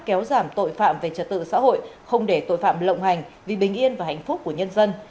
kéo giảm tội phạm về trật tự xã hội không để tội phạm lộng hành vì bình yên và hạnh phúc của nhân dân